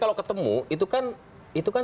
kalau ketemu itu kan